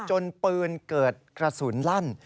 จนปืนเกิดกระสุนลั่น